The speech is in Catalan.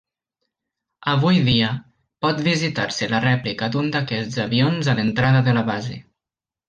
Avui dia, pot visitar-se la rèplica d'un d'aquests avions a l'entrada de la base.